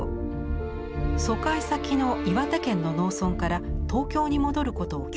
疎開先の岩手県の農村から東京に戻ることを拒否しました。